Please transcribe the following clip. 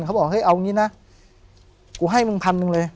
เขาบอกเฮ้ยเอางี้นะกูให้มึงพันหนึ่งเลย